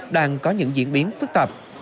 đang có những diễn biến phức tạp